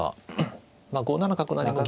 まあ５七角成が銀。